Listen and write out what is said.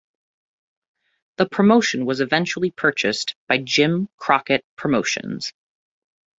The promotion was eventually purchased by Jim Crockett Promotions.